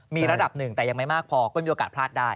มีระดับหนึ่งแต่ยังไม่มากพอก็มีโอกาสพลาดได้